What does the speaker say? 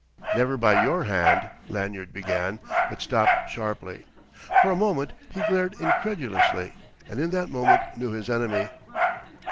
"Never by your hand " Lanyard began, but stopped sharply. For a moment he glared incredulously, and in that moment knew his enemy.